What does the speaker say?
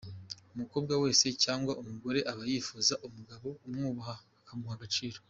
Umukobwa wese cyangwa umugore aba yifuza umugabo umwubaha akamuha agaciro.